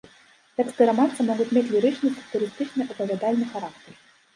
Тэксты раманса могуць мець лірычны, сатырычны, апавядальны характар.